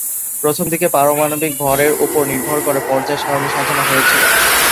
প্রথমদিকে পারমাণবিক ভরের উপর নির্ভর করে পর্যায় সারণি সাজানো হয়েছিল।